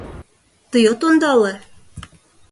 Тый от ондале?